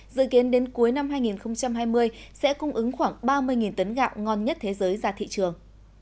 dự kiến đến cuối năm hai nghìn hai mươi sẽ cung ứng khoảng ba mươi tấn gạo ngon nhất thế giới ra thị trường